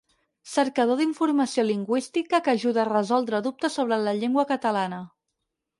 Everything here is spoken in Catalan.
Cercador d'informació lingüística que ajuda a resoldre dubtes sobre la llengua catalana.